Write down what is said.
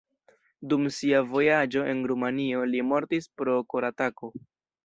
Dum sia vojaĝo en Rumanio li mortis pro koratako.